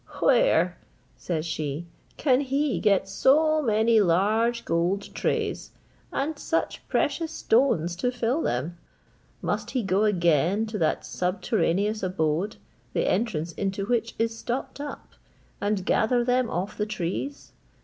"Where," says she, "can he get so many large gold trays, and such precious stones to fill them? Must he go again to that subterraneous abode, the entrance into which is stopped up, and gather them off the trees?